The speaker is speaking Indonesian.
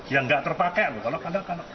yang nggak terpakai